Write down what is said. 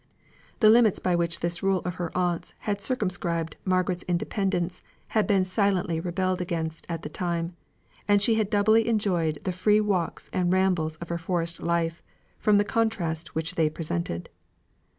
The limits by which this rule of her aunt's had circumscribed Margaret's independence had been silently rebelled against at the time: and she had doubly enjoyed the free walks and rambles of her forest life from the contrast which they presented.